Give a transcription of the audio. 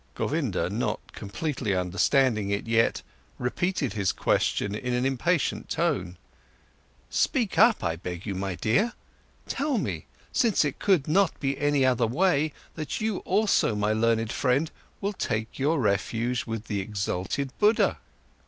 Govinda, not completely understanding it yet, repeated his question in an impatient tone: "Speak up, I beg you, my dear! Tell me, since it could not be any other way, that you also, my learned friend, will take your refuge with the exalted Buddha!"